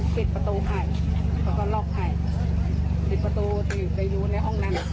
เปิดประตูไข่ก็ก็ล็อคไข่ทิศประตูที่เตยอยู่ในห้องนั่น